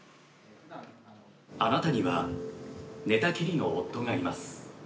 あなたには寝たきりの夫がいます。